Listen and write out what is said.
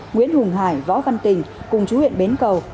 nguyễn hùng hải võ văn tình cùng chú huyện bến cầu